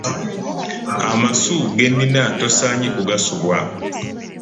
Amasu ge nnina tosaanye kugasubwa.